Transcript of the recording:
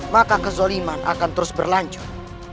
maka kezoliman akan terus berlanjut